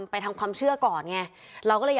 ไปทำความเชื่อก่อนไง